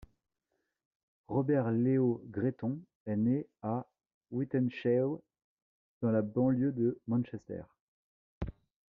Robert Leo Gretton est né à Wythenshawe, dans la banlieue de Manchester.